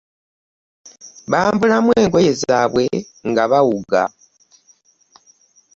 Bambulamu engoye zaabwe nga bawuga.